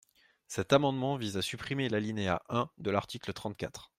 Cet amendement vise à supprimer l’alinéa un de l’article trente-quatre.